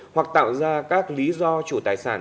hoặc tạo ra các lý do chủ tài sản